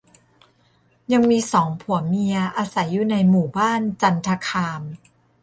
ยังมีสองผัวเมียอาศัยอยู่ในหมู่บ้านจันทคาม